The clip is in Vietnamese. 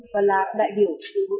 và là đại biểu dự bộ